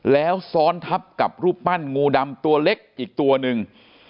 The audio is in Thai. แล้วซ้อนทับกับรูปปั้นงูดำตัวเล็กอีกตัวหนึ่ง